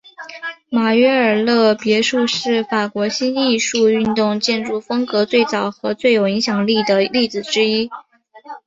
马约尔勒别墅是法国新艺术运动建筑风格最早和最有影响力的例子之一。